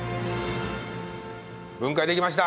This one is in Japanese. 分解できました。